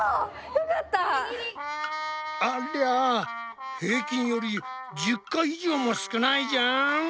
ありゃ平均より１０回以上も少ないじゃん！